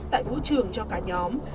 tại vũ trường cho cả nhóm